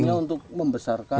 fungsinya untuk membesarkan